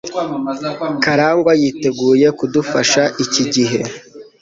Karangwa yiteguye kudufasha iki gihe.